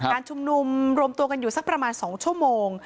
การชุมนุมรวมตัวกันอยู่สักประมาณ๒ชั่วโมง